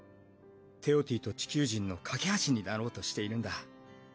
テオティと地球人の懸け橋になろうとしているんだ。